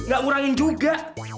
gak ngurangin juga